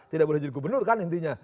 tidak boleh jadi gubernur kan intinya